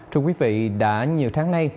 trong quý vị đã nhiều tháng nay